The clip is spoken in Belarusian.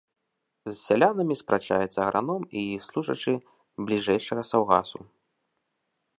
З сялянамі спрачаецца аграном і служачы бліжэйшага саўгасу.